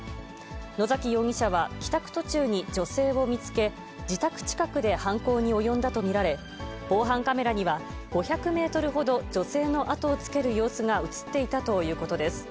野崎容疑者は帰宅途中に女性を見つけ、自宅近くで犯行に及んだと見られ、防犯カメラには５００メートルほど、女性の後をつける様子が写っていたということです。